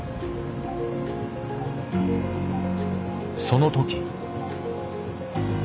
その時。